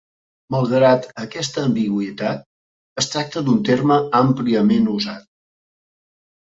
Malgrat aquesta ambigüitat, es tracta d'un terme àmpliament usat.